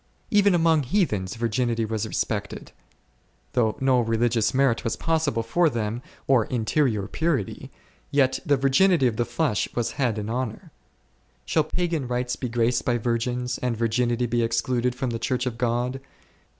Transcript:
Even among heathens virginity was respected ; though no religious merit was possible for them, or interior purity, yet the virginity of the flesh was had in honour. Shall pagan rites be graced by virgins, and virginity be excluded from the Church of God